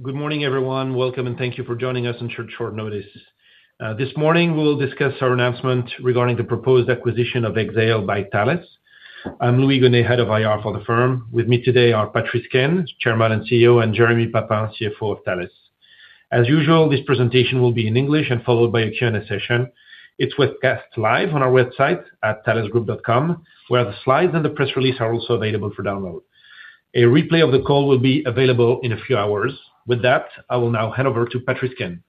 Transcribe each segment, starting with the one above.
Good morning, everyone. Welcome, thank you for joining us on such short notice. This morning, we will discuss our announcement regarding the proposed acquisition of Exail by Thales. I'm Louis Igonet, Head of IR for the firm. With me today are Patrice Caine, Chairman and CEO, and Jérémie Papin, CFO of Thales. As usual, this presentation will be in English and followed by a Q&A session. It's webcast live on our website at thalesgroup.com, where the slides and the press release are also available for download. A replay of the call will be available in a few hours. With that, I will now hand over to Patrice Caine.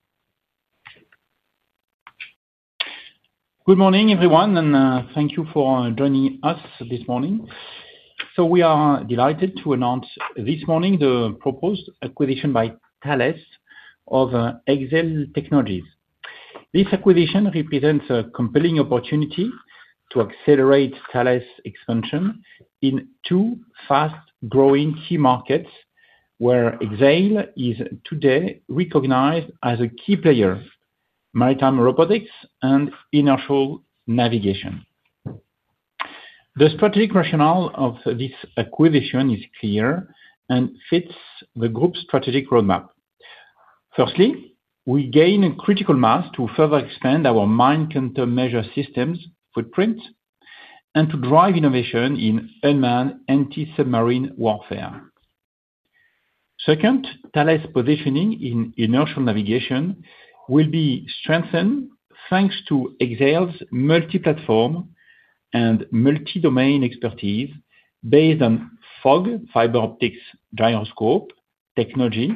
Good morning, everyone, thank you for joining us this morning. We are delighted to announce this morning the proposed acquisition by Thales of Exail Technologies. This acquisition represents a compelling opportunity to accelerate Thales expansion in two fast-growing key markets where Exail is today recognized as a key player: maritime robotics and inertial navigation. The strategic rationale of this acquisition is clear and fits the groups strategic roadmap. Firstly, we gain a critical mass to further extend our mine counter measure systems footprints, and drive to innovation in unmanned anti submarine warfare. Second, Thales' positioning in inertial navigation will be strengthened thanks to Exail's multi-platform and multi-domain expertise based on FOG, fiber optic gyroscope technology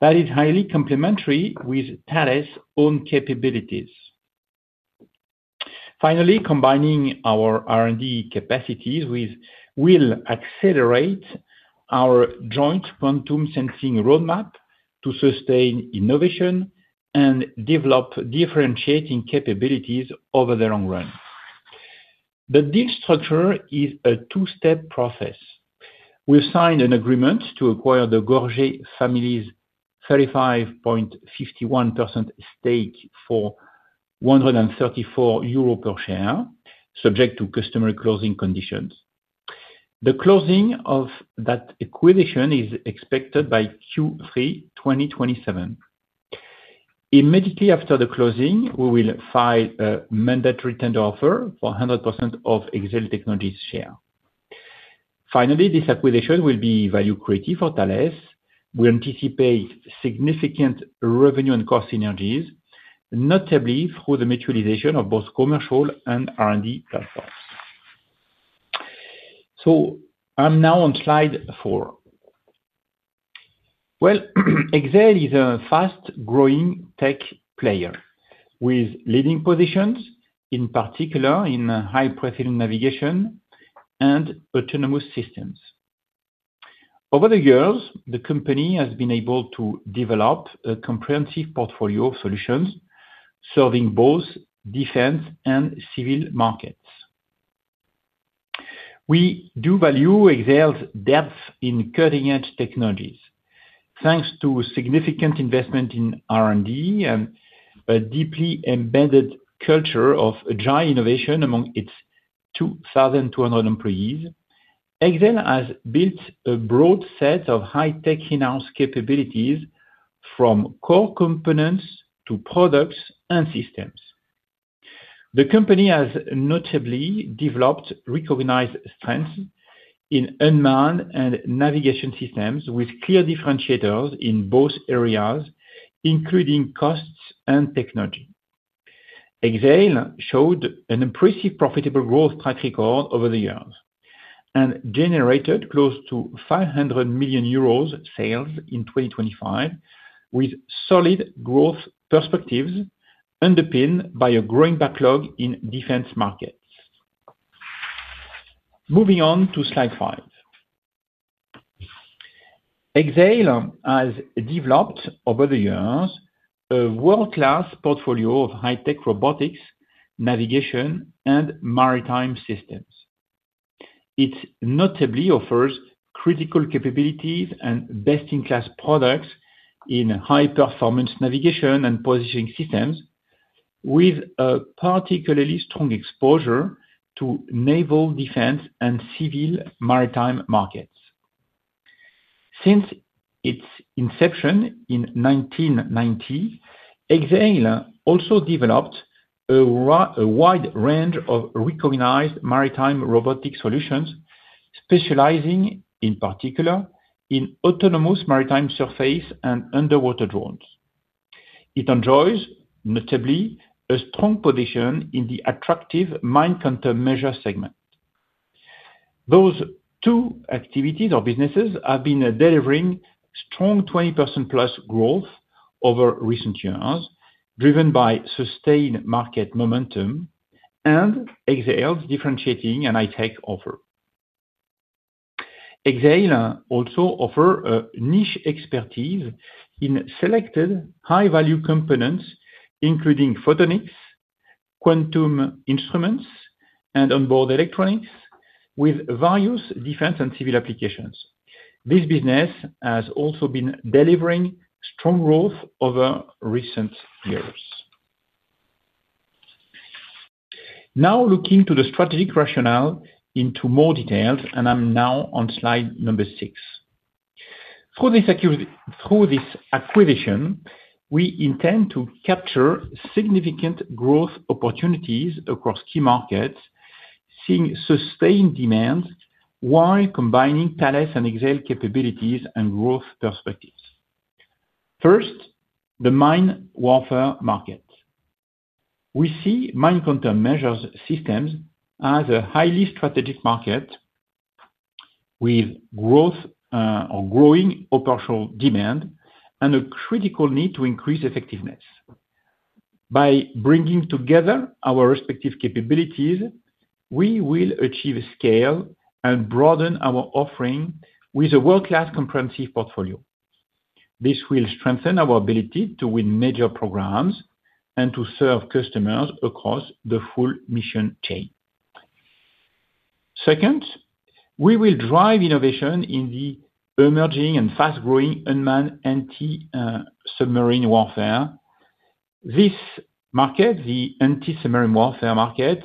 that is highly complementary with Thales' own capabilities. Finally, combining our R&D capacities will accelerate our joint quantum sensing roadmap to sustain innovation and develop differentiating capabilities over the long run. The deal structure is a two-step process. We signed an agreement to acquire the Gorgé family's 35.51% stake for 134 euro per share, subject to customary closing conditions. The closing of that acquisition is expected by Q3 2027. Immediately after the closing, we will file a mandatory tender offer for 100% of Exail Technologies share. Finally, this acquisition will be value creative for Thales. We anticipate significant revenue and cost synergies, notably through the mutualization of both commercial and R&D platforms. I'm now on slide four. Exail is a fast-growing tech player with leading positions, in particular in high-precision navigation and autonomous systems. Over the years, the company has been able to develop a comprehensive portfolio of solutions serving both defense and civil markets. We do value Exail's depth in cutting-edge technologies. Thanks to significant investment in R&D and a deeply embedded culture of agile innovation among its 2,200 employees, Exail has built a broad set of high-tech in-house capabilities, from core components to products and systems. The company has notably developed recognized strengths in unmanned and navigation systems with clear differentiators in both areas, including costs and technology. Exail showed an impressive profitable growth track record over the years and generated close to 500 million euros sales in 2025, with solid growth perspectives underpinned by a growing backlog in defense markets. Moving on to slide five. Exail has developed over the years a world-class portfolio of high-tech robotics, navigation, and maritime systems. It notably offers critical capabilities and best-in-class products in high-performance navigation and positioning systems with a particularly strong exposure to naval defense and civil maritime markets. Since its inception in 1990, Exail also developed a wide range of recognized maritime robotic solutions, specializing, in particular, in autonomous maritime surface and underwater drones. It enjoys, notably, a strong position in the attractive mine countermeasure segment. Those two activities or businesses have been delivering strong 20%+ growth over recent years, driven by sustained market momentum and Exail's differentiating and high-tech offer. Exail also offer a niche expertise in selected high-value components, including photonics, quantum instruments, and onboard electronics with various defense and civil applications. This business has also been delivering strong growth over recent years. Looking to the strategic rationale into more details, I'm now on slide number six. Through this acquisition, we intend to capture significant growth opportunities across key markets, seeing sustained demands while combining Thales and Exail capabilities and growth perspectives. First, the mine warfare market. We see mine countermeasure systems as a highly strategic market with growing operational demand and a critical need to increase effectiveness. By bringing together our respective capabilities, we will achieve scale and broaden our offering with a world-class comprehensive portfolio. This will strengthen our ability to win major programs and to serve customers across the full mission chain. Second, we will drive innovation in the emerging and fast-growing unmanned anti-submarine warfare. This market, the anti-submarine warfare market,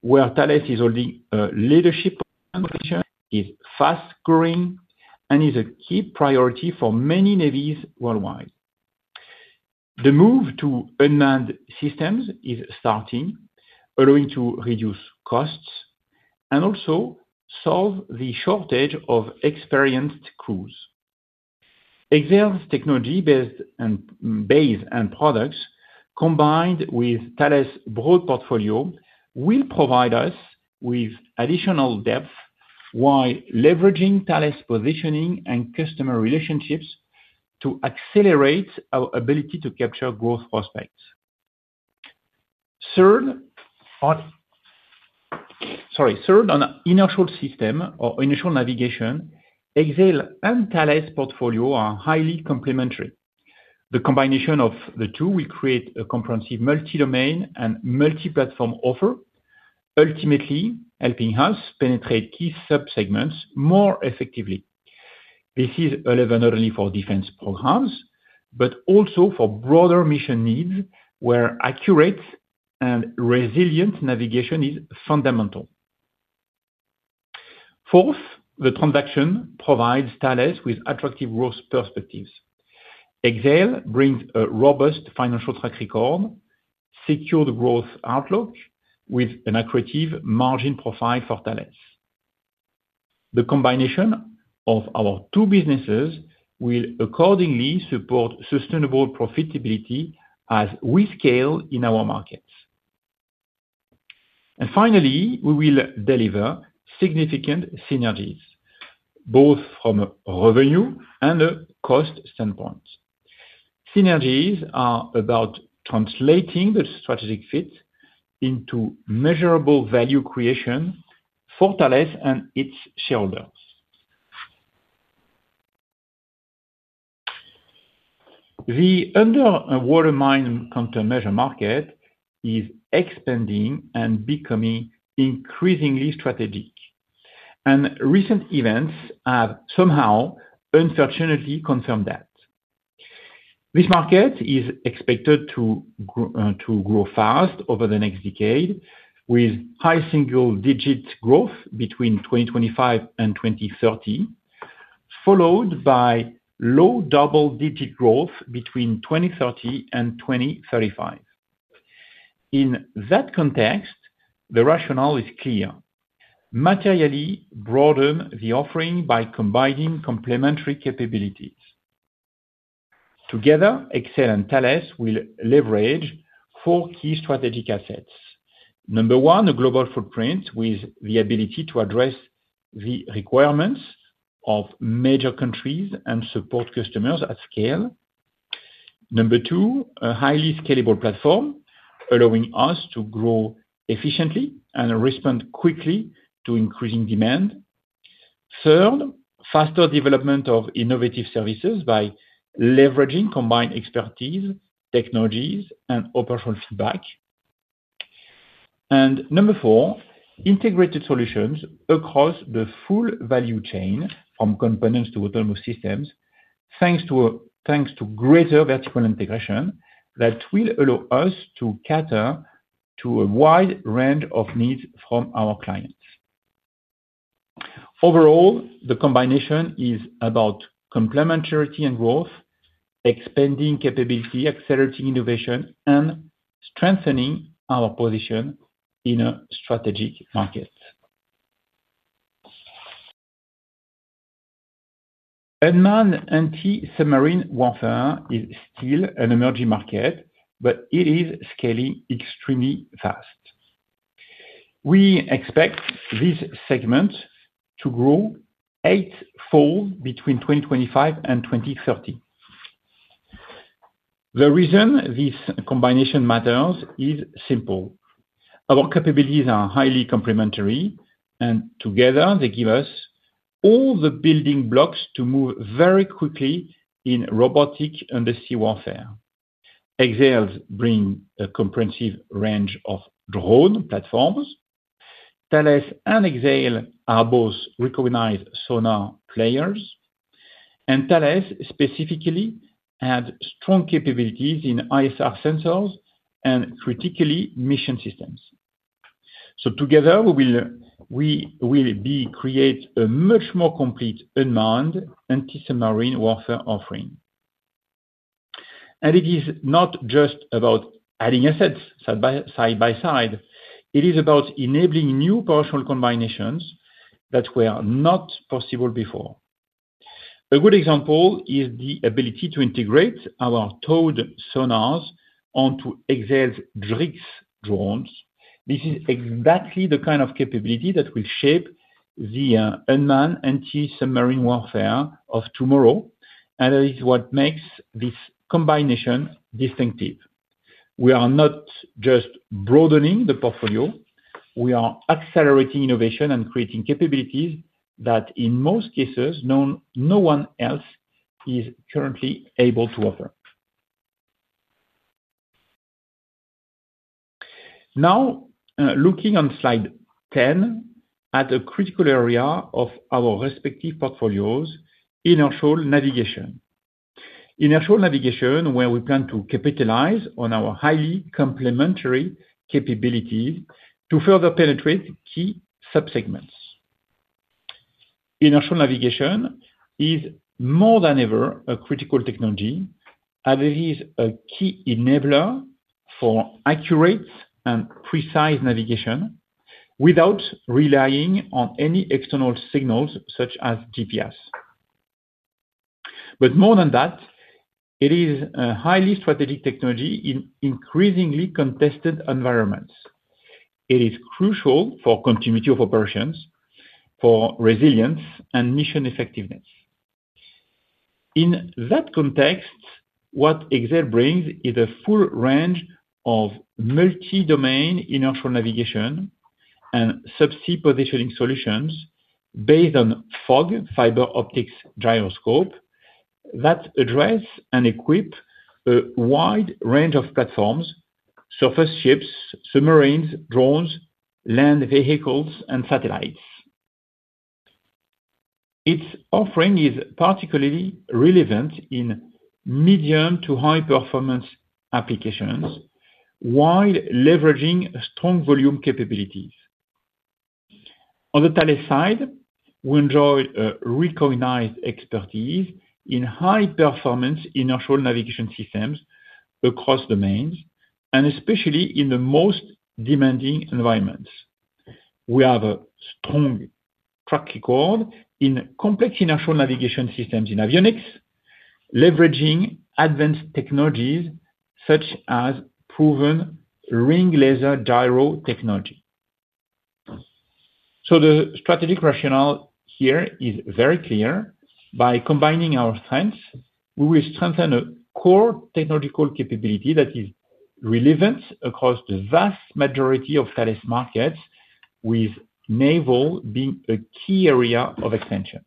where Thales is holding leadership position, is fast-growing and is a key priority for many navies worldwide. The move to unmanned systems is starting, allowing to reduce costs and also solve the shortage of experienced crews. Exail's technology-based products combined with Thales' broad portfolio, will provide us with additional depth while leveraging Thales' positioning and customer relationships to accelerate our ability to capture growth prospects. Third, on inertial system or inertial navigation, Exail and Thales portfolio are highly complementary. The combination of the two will create a comprehensive multi-domain and multi-platform offer, ultimately helping us penetrate key sub-segments more effectively. This is relevant not only for defense programs, but also for broader mission needs, where accurate and resilient navigation is fundamental. Fourth, the transaction provides Thales with attractive growth perspectives. Exail brings a robust financial track record, secured growth outlook with an accretive margin profile for Thales. The combination of our two businesses will accordingly support sustainable profitability as we scale in our markets. Finally, we will deliver significant synergies, both from a revenue and a cost standpoint. Synergies are about translating the strategic fit into measurable value creation for Thales and its shareholders. The underwater mine countermeasure market is expanding and becoming increasingly strategic. Recent events have somehow, unfortunately, confirmed that. This market is expected to grow fast over the next decade, with high single-digit growth between 2025 and 2030, followed by low double-digit growth between 2030 and 2035. In that context, the rationale is clear. Materially broaden the offering by combining complementary capabilities. Together, Exail and Thales will leverage four key strategic assets. Number one, a global footprint with the ability to address the requirements of major countries and support customers at scale. Number two, a highly scalable platform allowing us to grow efficiently and respond quickly to increasing demand. Third, faster development of innovative services by leveraging combined expertise, technologies, and operational feedback. Number four, integrated solutions across the full value chain from components to autonomous systems, thanks to greater vertical integration that will allow us to cater to a wide range of needs from our clients. Overall, the combination is about complementarity and growth, expanding capability, accelerating innovation, and strengthening our position in a strategic market. Unmanned anti-submarine warfare is still an emerging market, but it is scaling extremely fast. We expect this segment to grow eightfold between 2025 and 2030. The reason this combination matters is simple. Our capabilities are highly complementary, and together they give us all the building blocks to move very quickly in robotic undersea warfare. Exail bring a comprehensive range of drone platforms. Thales and Exail are both recognized sonar players, and Thales specifically had strong capabilities in ISR sensors and particularly mission systems. Together we will create a much more complete unmanned anti-submarine warfare offering. It is not just about adding assets side by side. It is about enabling new partial combinations that were not possible before. A good example is the ability to integrate our towed sonars onto Exail DriX drones. This is exactly the kind of capability that will shape the unmanned anti-submarine warfare of tomorrow, and it is what makes this combination distinctive. We are not just broadening the portfolio. We are accelerating innovation and creating capabilities that, in most cases, no one else is currently able to offer. Now, looking on slide 10 at a critical area of our respective portfolios, inertial navigation. Inertial navigation, where we plan to capitalize on our highly complementary capabilities to further penetrate key sub-segments. Inertial navigation is more than ever a critical technology, as it is a key enabler for accurate and precise navigation without relying on any external signals such as GPS. More than that, it is a highly strategic technology in increasingly contested environments. It is crucial for continuity of operations, for resilience and mission effectiveness. In that context, what Exail brings is a full range of multi-domain inertial navigation and subsea positioning solutions based on FOG, fiber optic gyroscope, that address and equip a wide range of platforms, surface ships, submarines, drones, land vehicles and satellites. Its offering is particularly relevant in medium to high-performance applications while leveraging strong volume capabilities. On the Thales side, we enjoy a recognized expertise in high-performance inertial navigation systems across domains, and especially in the most demanding environments. We have a strong track record in complex inertial navigation systems in avionics, leveraging advanced technologies such as proven ring laser gyro technology. The strategic rationale here is very clear. By combining our strengths, we will strengthen a core technological capability that is relevant across the vast majority of Thales markets, with naval being a key area of expansion.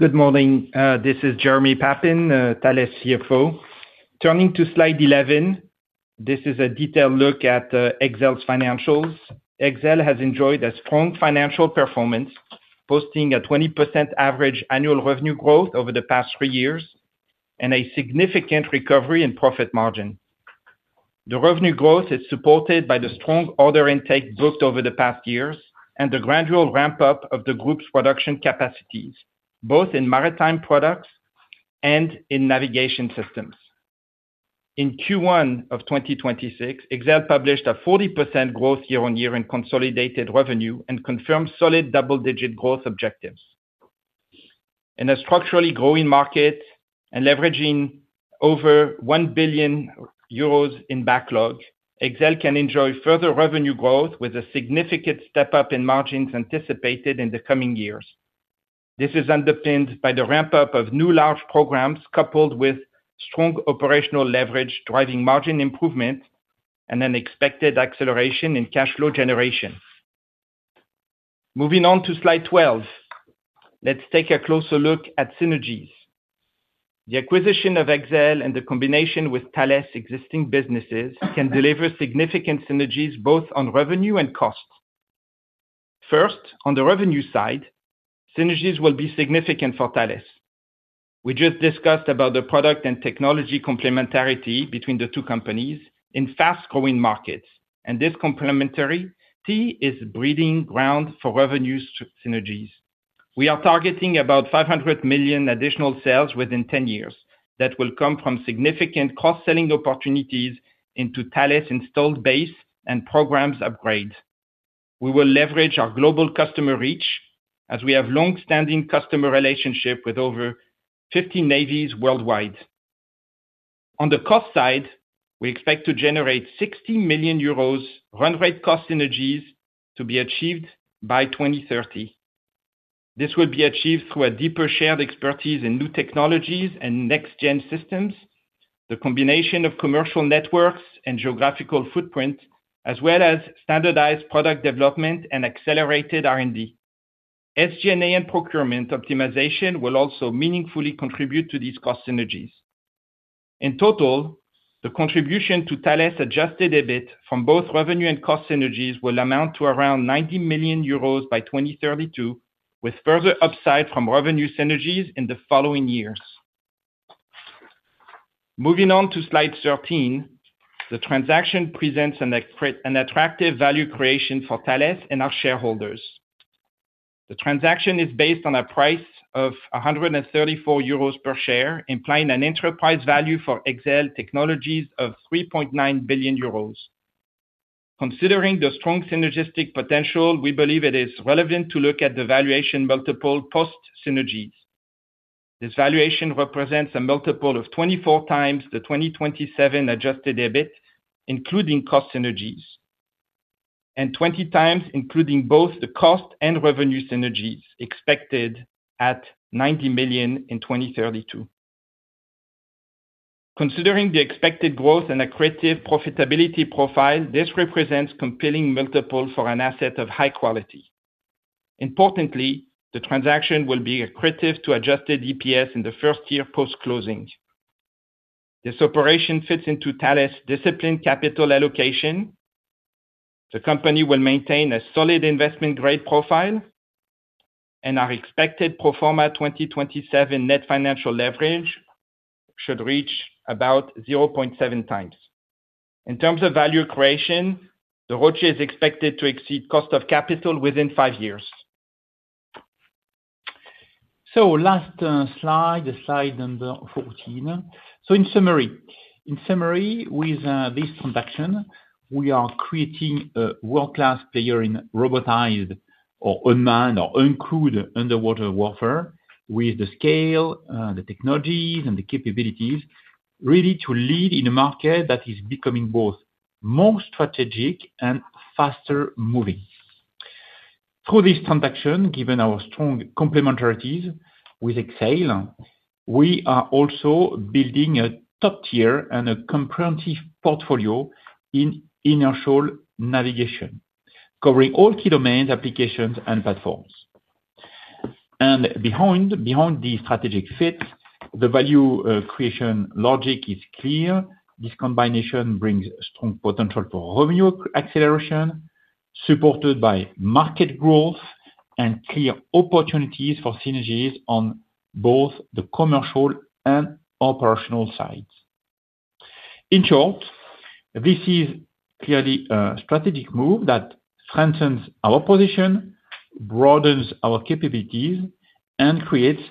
Good morning. This is Jérémie Papin, Thales CFO. Turning to slide 11, this is a detailed look at Exail financials. Exail has enjoyed a strong financial performance, posting a 20% average annual revenue growth over the past three years and a significant recovery in profit margin. The revenue growth is supported by the strong order intake booked over the past years and the gradual ramp-up of the group's production capacities, both in maritime products and in navigation systems. In Q1 of 2026, Exail published a 40% growth year-over-year in consolidated revenue and confirmed solid double-digit growth objectives. In a structurally growing market and leveraging over 1 billion euros in backlog, Exail can enjoy further revenue growth with a significant step-up in margins anticipated in the coming years. This is underpinned by the ramp-up of new large programs, coupled with strong operational leverage driving margin improvement and an expected acceleration in cash flow generation. Moving on to slide 12. Let's take a closer look at synergies. The acquisition of Exail and the combination with Thales' existing businesses can deliver significant synergies both on revenue and costs. First, on the revenue side, synergies will be significant for Thales. We just discussed about the product and technology complementarity between the two companies in fast-growing markets. This complementarity is breeding ground for revenue synergies. We are targeting about 500 million additional sales within 10 years. That will come from significant cross-selling opportunities into Thales' installed base and programs upgrades. We will leverage our global customer reach as we have longstanding customer relationship with over 50 navies worldwide. On the cost side, we expect to generate 60 million euros run rate cost synergies to be achieved by 2030. This will be achieved through a deeper shared expertise in new technologies and next-gen systems, the combination of commercial networks and geographical footprint, as well as standardized product development and accelerated R&D. SG&A and procurement optimization will also meaningfully contribute to these cost synergies. In total, the contribution to Thales adjusted EBIT from both revenue and cost synergies will amount to around 90 million euros by 2032, with further upside from revenue synergies in the following years. Moving on to slide 13. The transaction presents an attractive value creation for Thales and our shareholders. The transaction is based on a price of 134 euros per share, implying an enterprise value for Exail Technologies of 3.9 billion euros. Considering the strong synergistic potential, we believe it is relevant to look at the valuation multiple post-synergies. This valuation represents a multiple of 24x the 2027 adjusted EBIT, including cost synergies, and 20x including both the cost and revenue synergies expected at 90 million in 2032. Considering the expected growth and accretive profitability profile, this represents compelling multiple for an asset of high quality. Importantly, the transaction will be accretive to adjusted EPS in the first year post-closing. This operation fits into Thales' disciplined capital allocation. The company will maintain a solid investment-grade profile, and our expected pro forma 2027 net financial leverage should reach about 0.7x. In terms of value creation, the ROCE is expected to exceed cost of capital within five years. Last slide number 14. In summary, with this transaction, we are creating a world-class player in robotized or unmanned or uncrewed underwater warfare with the scale, the technologies, and the capabilities ready to lead in a market that is becoming both more strategic and faster-moving. Through this transaction, given our strong complementarities with Exail, we are also building a top-tier and a comprehensive portfolio in inertial navigation, covering all key domains, applications, and platforms. Behind the strategic fit, the value creation logic is clear. This combination brings strong potential for revenue acceleration, supported by market growth and clear opportunities for synergies on both the commercial and operational sides. In short, this is clearly a strategic move that strengthens our position, broadens our capabilities, and creates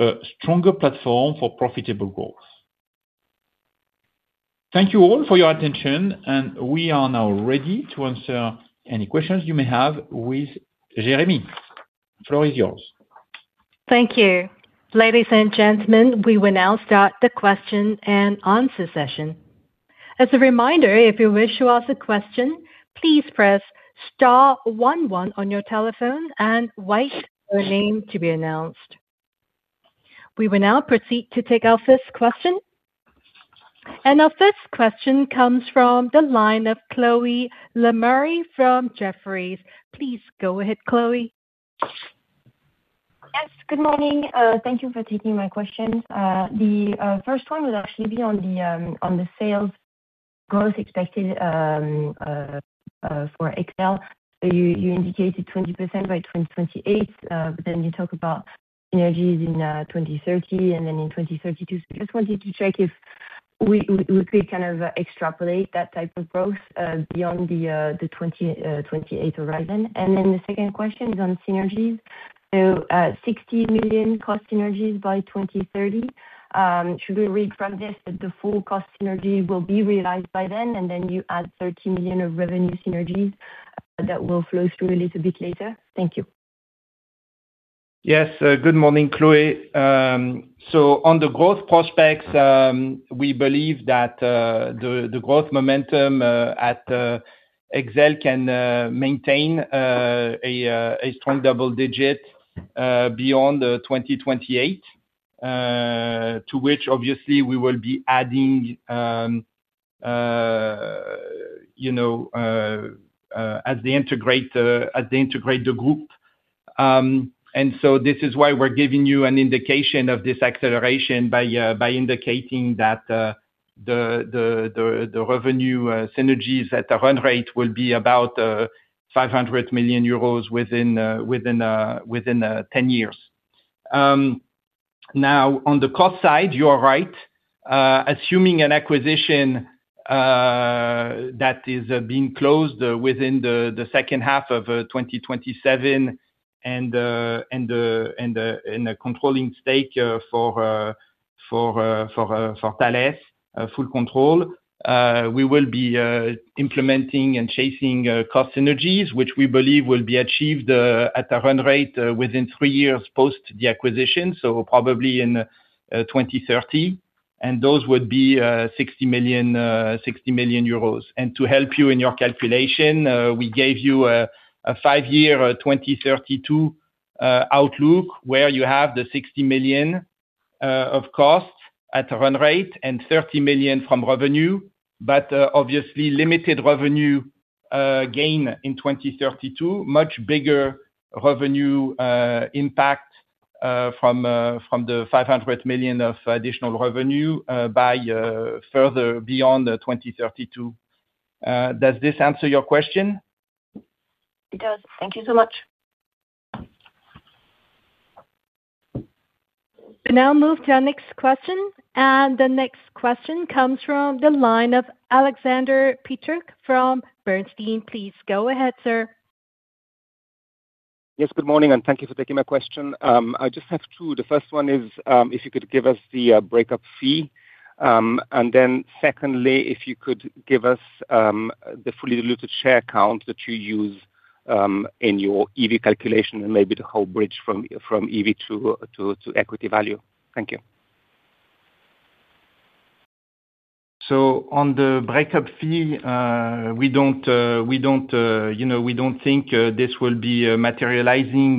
a stronger platform for profitable growth. Thank you all for your attention. We are now ready to answer any questions you may have with Jérémie. The floor is yours. Thank you. Ladies and gentlemen, we will now start the question-and-answer session. As a reminder, if you wish to ask a question, please press star one one on your telephone and wait for your name to be announced. We will now proceed to take our first question. Our first question comes from the line of Chloé Lemarié from Jefferies. Please go ahead, Chloé. Yes, good morning. Thank you for taking my question. The first one will actually be on the sales growth expected for Exail. You indicated 20% by 2028, you talk about synergies in 2030 and in 2032. Just wanted to check if we could kind of extrapolate that type of growth beyond the 2028 horizon. The second question is on synergies. 60 million cost synergies by 2030. Should we read from this that the full cost synergy will be realized by then, and then you add 30 million of revenue synergies that will flow through a little bit later? Thank you. Yes. Good morning, Chloé. On the growth prospects, we believe that the growth momentum at Exail can maintain a strong double-digit beyond 2028, to which obviously we will be adding as they integrate the group. This is why we're giving you an indication of this acceleration by indicating that the revenue synergies at the run rate will be about 500 million euros within 10 years. On the cost side, you are right. Assuming an acquisition that is being closed within the second half of 2027 and a controlling stake for Thales, full control, we will be implementing and chasing cost synergies, which we believe will be achieved at a run rate within three years post the acquisition, so probably in 2030, and those would be 60 million. To help you in your calculation, we gave you a five-year, 2032 outlook where you have the 60 million of cost at run rate and 30 million from revenue, obviously limited revenue gain in 2032. Much bigger revenue impact from the 500 million of additional revenue further beyond 2032. Does this answer your question? It does. Thank you so much. We move to our next question. The next question comes from the line of Aleksander Peterc from Bernstein. Please go ahead, sir. Yes, good morning, and thank you for taking my question. I just have two. The first one is if you could give us the breakup fee. Secondly, if you could give us the fully diluted share count that you use in your EV calculation and maybe the whole bridge from EV to equity value. Thank you. On the breakup fee, we don't think this will be materializing.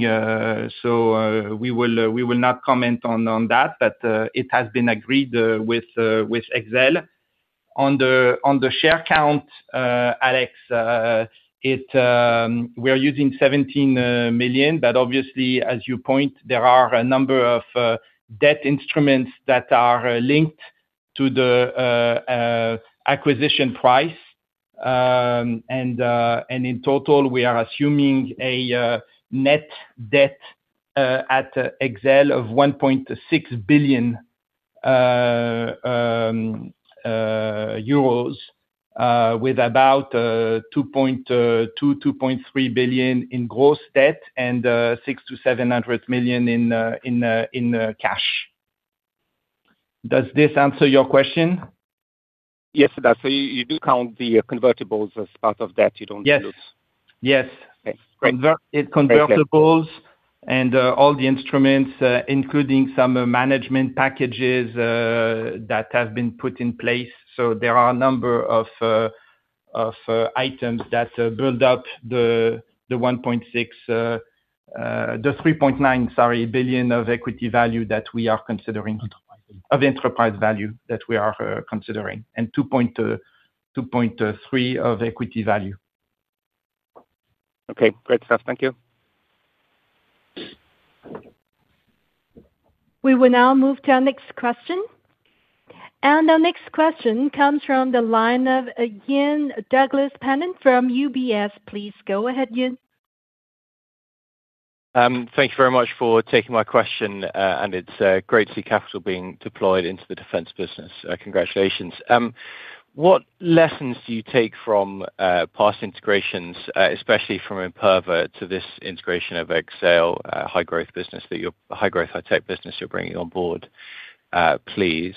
We will not comment on that, but it has been agreed with Exail. On the share count, Alex, we are using 17 million, but obviously as you point, there are a number of debt instruments that are linked to the acquisition price. In total, we are assuming a net debt at Exail of 1.6 billion euros, with about 2.2 billion-2.3 billion in gross debt and 600 million-700 million in cash. Does this answer your question? Yes, it does. You do count the convertibles as part of debt. Yes. Okay, great. Convertibles and all the instruments including some management packages that have been put in place. There are a number of items that build up the 3.9 billion of enterprise value that we are considering, and 2.3 of equity value. Okay, great stuff. Thank you. We will now move to our next question. Our next question comes from the line of Ian Douglas-Pennant from UBS. Please go ahead, Ian. Thank you very much for taking my question. It's great to see capital being deployed into the defence business. Congratulations. What lessons do you take from past integrations, especially from Imperva to this integration of Exail high growth, high tech business you're bringing on board, please?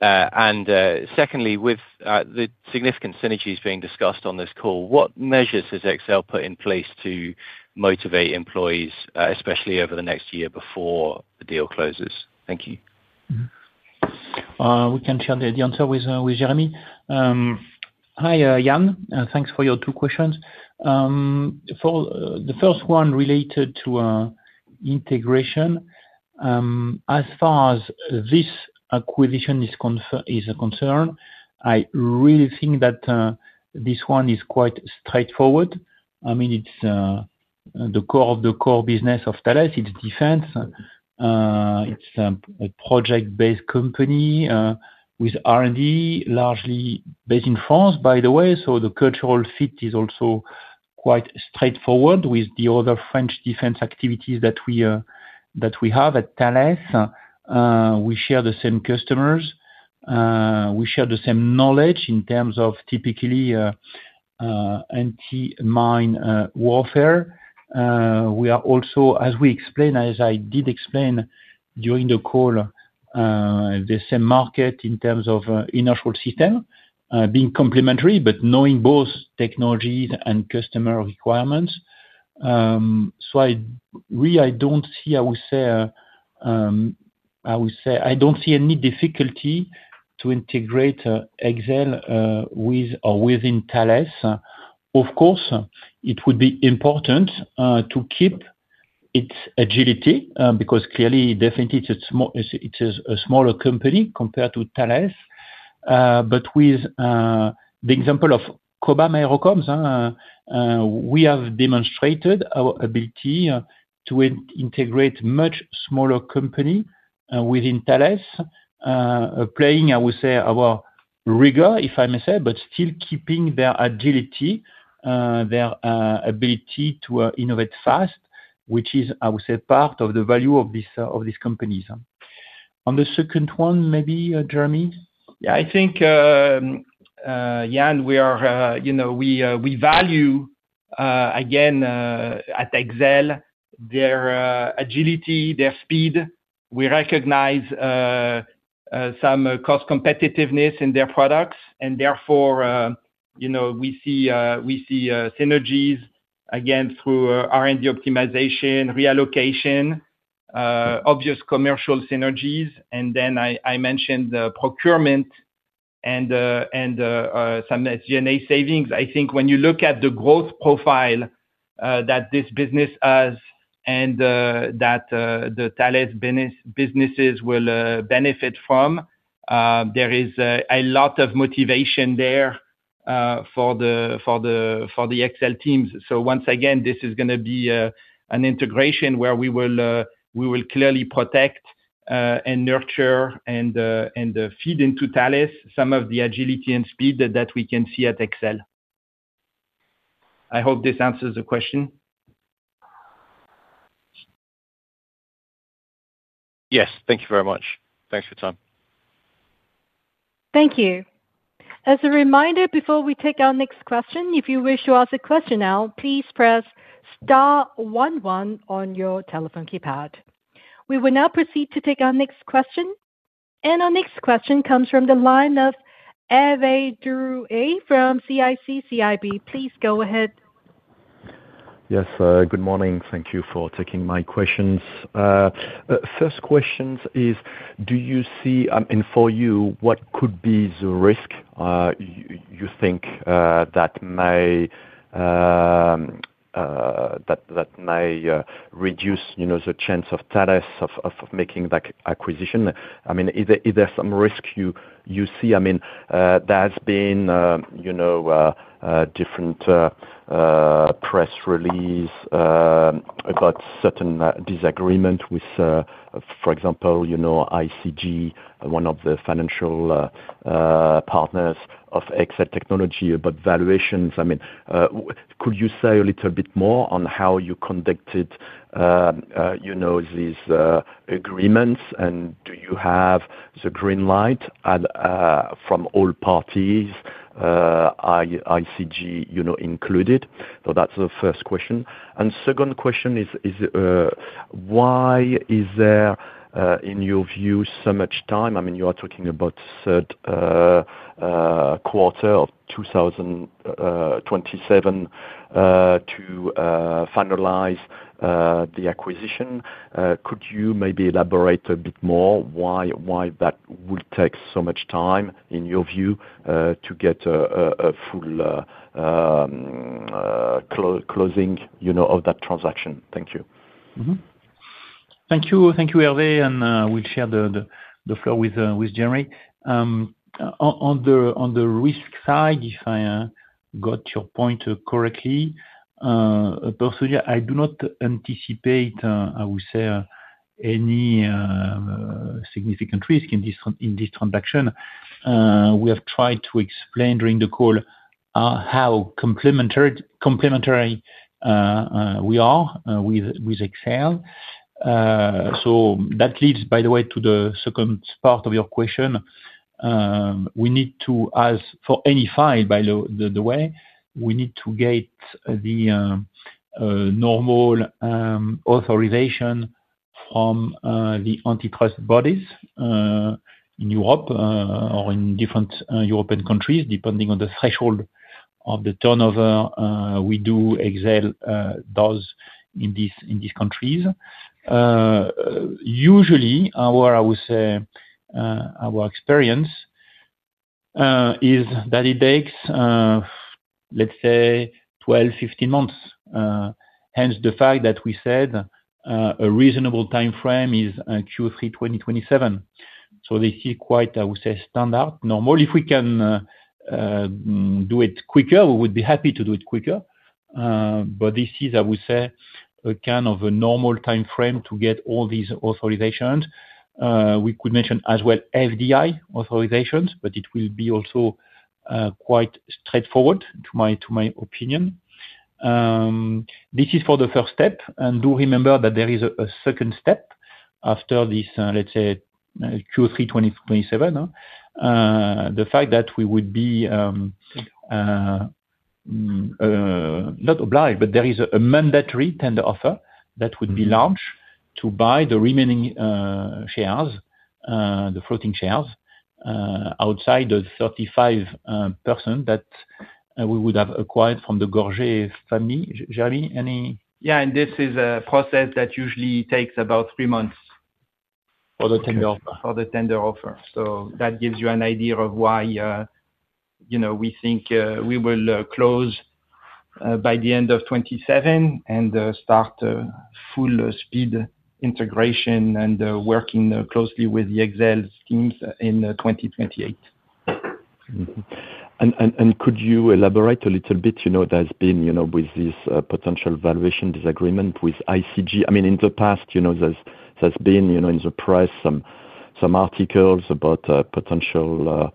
Secondly, with the significant synergies being discussed on this call, what measures has Exail put in place to motivate employees, especially over the next year before the deal closes? Thank you. We can share the answer with Jérémie. Hi, Ian. Thanks for your two questions. The first one related to integration. As far as this acquisition is concerned, I really think that this one is quite straightforward. It's the core of the core business of Thales. It's defense. It's a project-based company, with R&D largely based in France, by the way, so the cultural fit is also quite straightforward with the other French defense activities that we have at Thales. We share the same customers. We share the same knowledge in terms of typically, anti-mine warfare. We are also, as we explained, as I did explain during the call, the same market in terms of inertial system, being complementary, but knowing both technologies and customer requirements. I don't see any difficulty to integrate Exail with or within Thales. Of course, it would be important to keep its agility, because clearly, definitely it is a smaller company compared to Thales. With the example of Cobham Aerocoms, we have demonstrated our ability to integrate much smaller company within Thales, applying I would say our rigor, if I may say, but still keeping their agility, their ability to innovate fast, which is part of the value of these companies. On the second one, maybe, Jérémie? I think, Ian, we value again at Exail, their agility, their speed. We recognize some cost competitiveness in their products, therefore, we see synergies again through R&D optimization, reallocation, obvious commercial synergies. I mentioned the procurement and some G&A savings. I think when you look at the growth profile that this business has and that the Thales businesses will benefit from, there is a lot of motivation there for the Exail teams. Once again, this is going to be an integration where we will clearly protect and nurture and feed into Thales some of the agility and speed that we can see at Exail. I hope this answers the question. Yes. Thank you very much. Thanks for your time. Thank you. As a reminder, before we take our next question, if you wish to ask a question now, please press star one one on your telephone keypad. We will now proceed to take our next question. Our next question comes from the line of Hervé Drouet from CIC CIB. Please go ahead. Yes. Good morning. Thank you for taking my questions. First question is, do you see, and for you, what could be the risk you think that may reduce the chance of Thales of making that acquisition? Is there some risk you see? There has been different press release about certain disagreement with, for example, ICG, one of the financial partners of Exail Technologies about valuations. Could you say a little bit more on how you conducted these agreements, and do you have the green light from all parties, ICG included? That's the first question. Second question is why is there, in your view, so much time? You are talking about third quarter of 2027 to finalize the acquisition. Could you maybe elaborate a bit more why that would take so much time, in your view, to get a full closing of that transaction? Thank you. Thank you. Thank you, Hervé, and we'll share the floor with Jérémie. On the risk side, if I got your point correctly, personally, I do not anticipate, I would say, any significant risk in this transaction. We have tried to explain during the call how complementary we are with Exail. That leads, by the way, to the second part of your question. We need to, as for any file, by the way, we need to get the normal authorization from the antitrust bodies in Europe or in different European countries, depending on the threshold of the turnover we do, Exail does in these countries. Usually, our experience is that it takes, let's say, 12, 15 months. Hence, the fact that we said a reasonable timeframe is Q3 2027. This is quite, I would say, standard. Normally, if we can do it quicker, we would be happy to do it quicker. This is, I would say, a kind of a normal timeframe to get all these authorizations. We could mention as well FDI authorizations, but it will be also quite straightforward to my opinion. This is for the first step. Do remember that there is a second step after this, let's say, Q3 2027. The fact that we would be, not obliged, but there is a mandatory tender offer that would be launched to buy the remaining shares, the floating shares outside of 35% that we would have acquired from the Gorgé family. Jérémie, any. Yeah, this is a process that usually takes about three months. For the tender offer. For the tender offer. That gives you an idea of why we think we will close by the end of 2027 and start full speed integration and working closely with the Exail teams in 2028. Mm-hmm. Could you elaborate a little bit? There's been, with this potential valuation disagreement with ICG. In the past, there's been in the press some articles about potential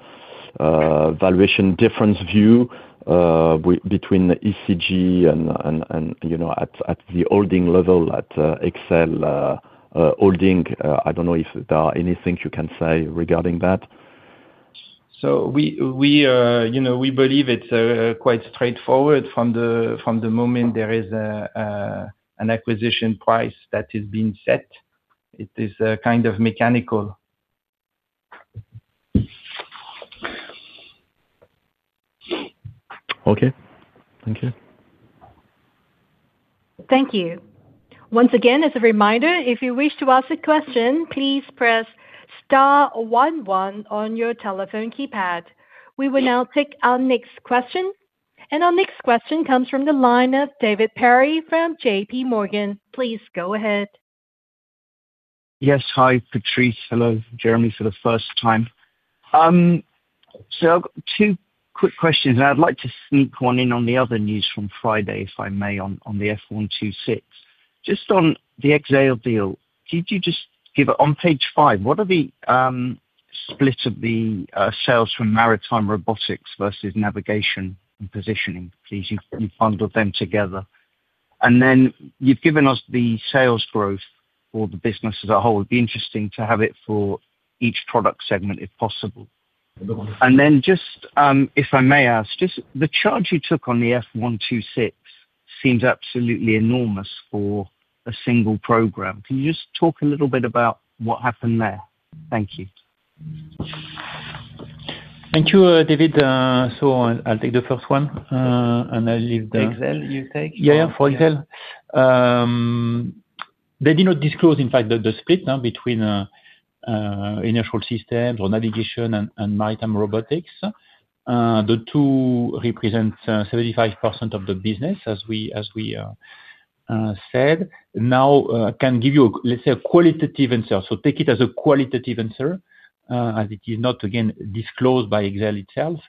valuation difference view between the ICG and at the holding level at Exail holding. I don't know if there are anything you can say regarding that. We believe it's quite straightforward from the moment there is an acquisition price that is being set. It is kind of mechanical. Okay. Thank you. Thank you. Once again, as a reminder, if you wish to ask a question, please press star one one on your telephone keypad. We will now take our next question. Our next question comes from the line of David Perry from JPMorgan. Please go ahead. Yes. Hi, Patrice. Hello, Jérémie, for the first time. I've got two quick questions. I'd like to sneak one in on the other news from Friday, if I may, on the F126. Just on the Exail deal, could you just give on page five, what are the split of the sales from maritime robotics versus navigation and positioning, please? You've bundled them together. Then you've given us the sales growth for the business as a whole. It'd be interesting to have it for each product segment, if possible. Then just, if I may ask, just the charge you took on the F126 seems absolutely enormous for a single program. Can you just talk a little bit about what happened there? Thank you. Thank you, David. I'll take the first one, I'll leave. Exail you take? Yeah. For Exail, they did not disclose, in fact, the split now between inertial systems or navigation and maritime robotics. The two represent 75% of the business, as we said. Can give you, let's say, a qualitative answer. Take it as a qualitative answer, as it is not, again, disclosed by Exail itself.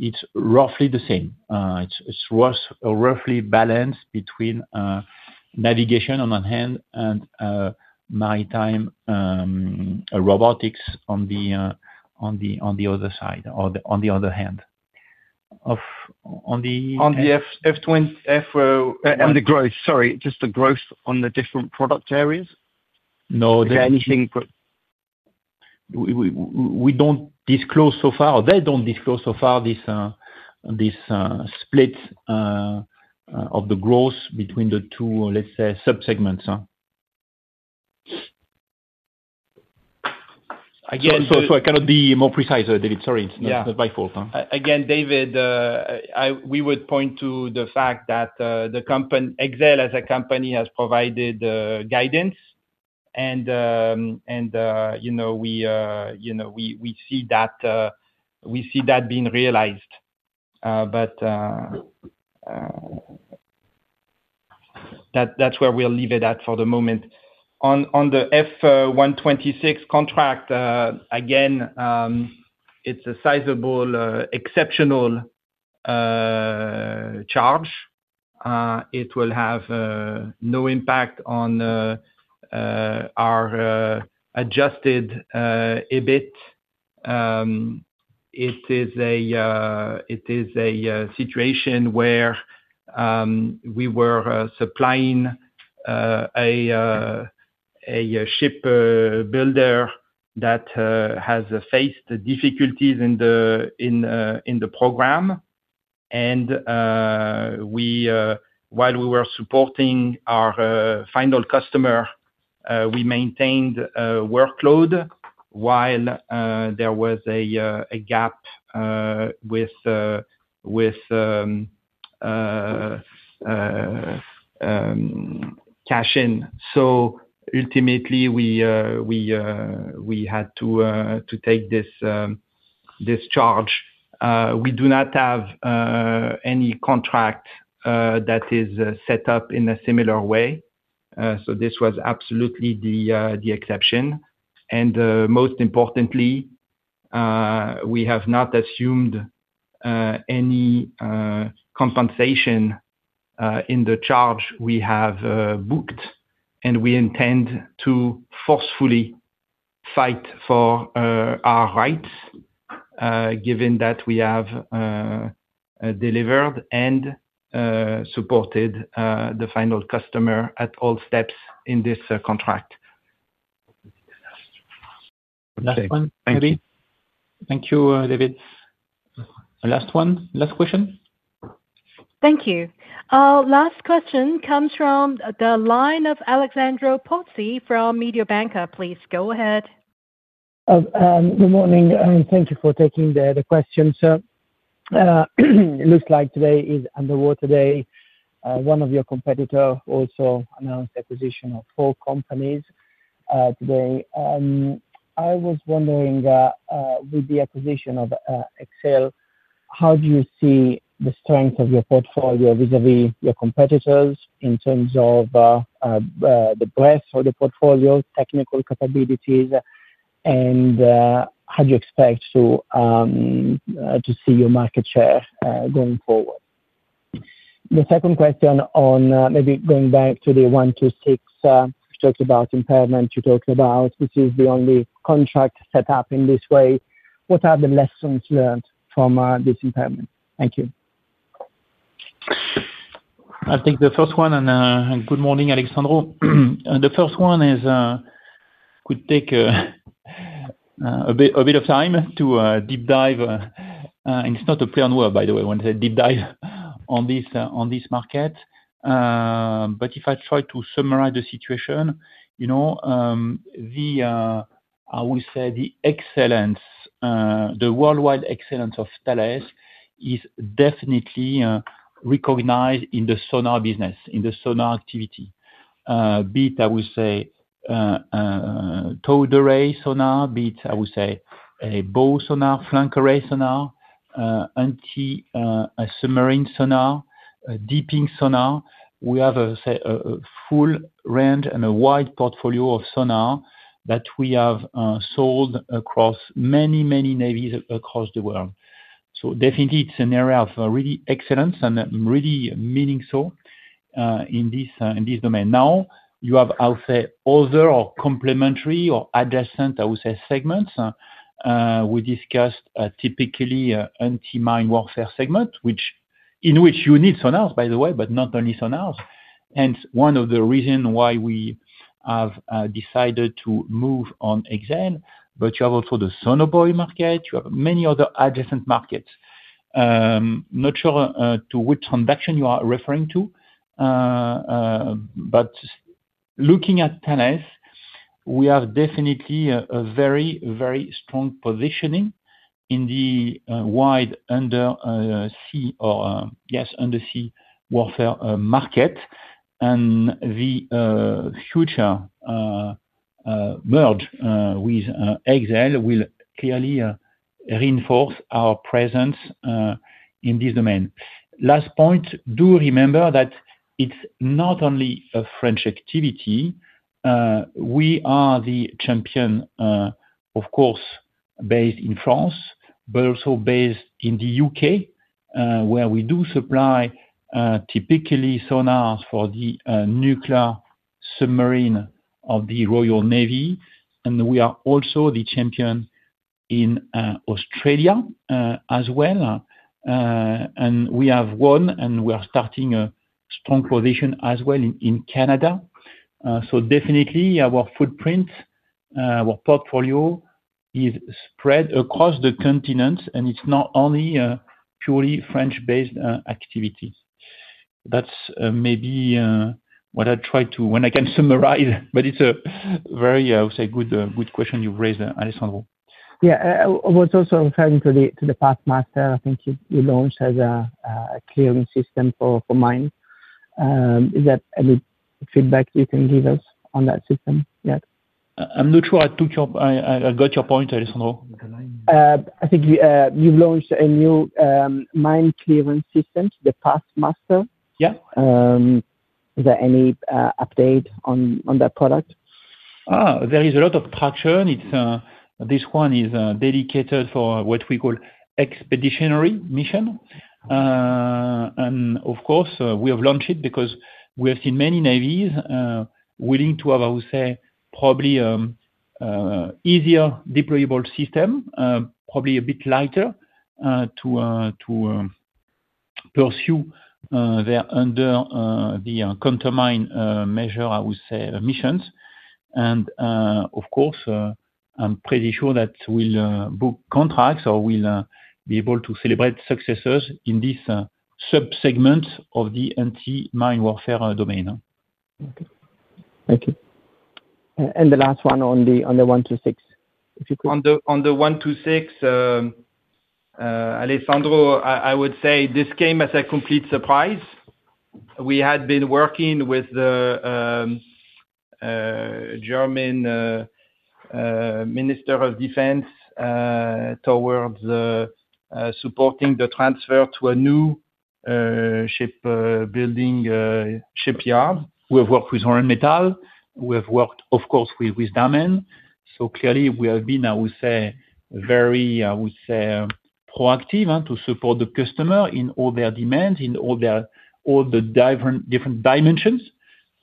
It's roughly the same. It's roughly balanced between navigation on one hand and maritime robotics on the other side, on the other hand. On the growth, sorry, just the growth on the different product areas? No. Is there? We don't disclose so far. They don't disclose so far this split of the growth between the two, let's say, sub-segments. Again- I cannot be more precise, David, sorry. It's not my fault. Again, David, we would point to the fact that Exail as a company has provided guidance and we see that being realized. That is where we will leave it at for the moment. On the F126 contract, again, it is a sizable exceptional charge. It will have no impact on our adjusted EBIT. It is a situation where we were supplying a ship builder that has faced difficulties in the program. While we were supporting our final customer, we maintained a workload while there was a gap with cash in. Ultimately we had to take this charge. We do not have any contract that is set up in a similar way. This was absolutely the exception. Most importantly, we have not assumed any compensation in the charge we have booked, and we intend to forcefully fight for our rights, given that we have delivered and supported the final customer at all steps in this contract. Last one. David? Thank you, David. Last one. Last question. Thank you. Our last question comes from the line of Alessandro Pozzi from Mediobanca. Please go ahead. Good morning, thank you for taking the questions. It looks like today is underwater day. One of your competitors also announced acquisition of four companies today. I was wondering, with the acquisition of Exail, how do you see the strength of your portfolio vis-à-vis your competitors in terms of the breadth of the portfolio, technical capabilities, and how do you expect to see your market share going forward? The second question on maybe going back to the F126, you talked about impairment, which is the only contract set up in this way. What are the lessons learned from this impairment? Thank you. I'll take the first one, good morning, Alessandro. The first one could take a bit of time to deep dive. It's not a planned word, by the way, when I say deep dive on this market. If I try to summarize the situation, I would say the worldwide excellence of Thales is definitely recognized in the sonar business, in the sonar activity. Be it, I would say, towed array sonar, be it, I would say, a bow sonar, flank array sonar, anti-submarine sonar, a dipping sonar. We have a full range and a wide portfolio of sonar that we have sold across many, many navies across the world. Definitely it's an area of really excellence and really meaningful in this domain. You have other or complementary or adjacent segments. We discussed typically anti-mine warfare segment, in which you need sonars by the way, but not only sonars. One of the reasons why we have decided to move on Exail, but you have also the sonobuoy market, you have many other adjacent markets. I'm not sure to which transaction you are referring to. Looking at Thales, we have definitely a very strong positioning in the wide undersea warfare market and the future merge with Exail will clearly reinforce our presence in this domain. Last point, do remember that it's not only a French activity. We are the champion of course, based in France, but also based in the U.K., where we do supply, typically sonars for the nuclear submarine of the Royal Navy, and we are also the champion in Australia as well. We have one, and we are starting a strong position as well in Canada. Definitely our footprint, our portfolio is spread across the continent, and it's not only a purely French-based activity. That's maybe what I try to when I can summarize, it's a very good question you've raised there, Alessandro. Yeah. I was also referring to the PathMaster, I think you launched as a clearing system for mines. Is there any feedback you can give us on that system yet? I'm not sure I got your point, Alessandro. I think you've launched a new mine clearance system, the PathMaster. Yeah. Is there any update on that product? There is a lot of traction. This one is dedicated for what we call expeditionary mission. Of course, we have launched it because we have seen many navies willing to have, I would say, probably easier deployable system, probably a bit lighter, to pursue their mine countermeasure, I would say, missions. Of course, I'm pretty sure that we'll book contracts or we'll be able to celebrate successes in this sub-segment of the anti-mine warfare domain. Okay. Thank you. The last one on the F126, if you could. On the F126, Alessandro, I would say this came as a complete surprise. We had been working with the German Minister of Defence towards supporting the transfer to a new shipbuilding shipyard. We have worked with Rheinmetall, we have worked, of course, with Damen. Clearly we have been, I would say, very proactive to support the customer in all their demands, in all the different dimensions.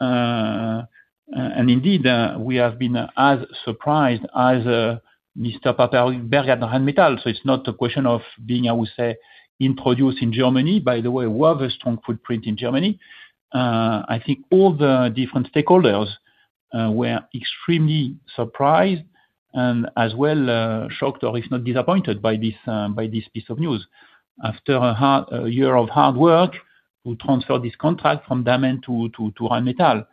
Indeed, we have been as surprised as Mr. Papperger at Rheinmetall. It's not a question of being, I would say, introduced in Germany. By the way, we have a strong footprint in Germany. I think all the different stakeholders were extremely surprised and as well shocked or if not disappointed by this piece of news. After a year of hard work, we transferred this contract from Damen to Rheinmetall.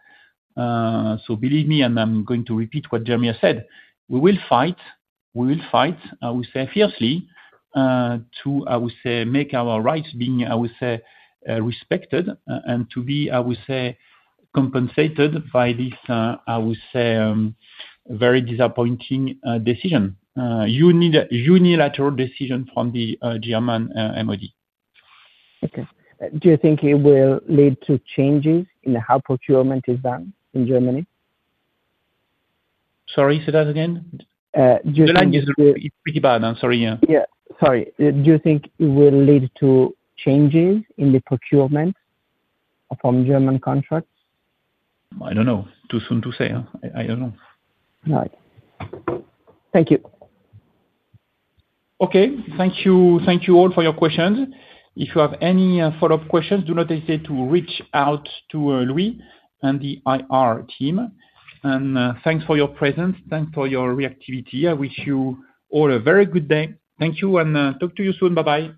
Believe me, I'm going to repeat what Jérémie has said, we will fight, I would say, fiercely, to, I would say, make our rights being respected and to be compensated by this, I would say, very disappointing decision. Unilateral decision from the German MoD. Okay. Do you think it will lead to changes in how procurement is done in Germany? Sorry, say that again. Do you think- The line is pretty bad. I'm sorry. Yeah. Sorry. Do you think it will lead to changes in the procurement from German contracts? I don't know. Too soon to say. I don't know. All right. Thank you. Okay. Thank you all for your questions. If you have any follow-up questions, do not hesitate to reach out to Louis and the IR team. Thanks for your presence. Thanks for your reactivity. I wish you all a very good day. Thank you, and talk to you soon. Bye-bye.